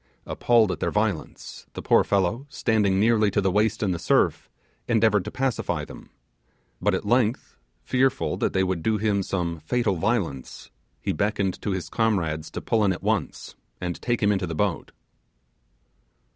Appalled at their violence, the poor fellow, standing nearly to the waist in the surf, endeavoured to pacify them; but at length fearful that they would do him some fatal violence, he beckoned to his comrades to pull in at once, and take him into the boat.